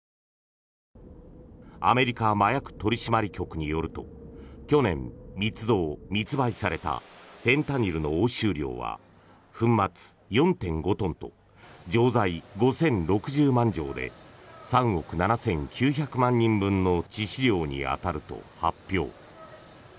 アメリカ麻薬取締局によると去年、密造・密売されたフェンタニルの押収量は粉末４．５トンと錠剤５０６０万錠で３億７９００万人分の致死量に当たると発表。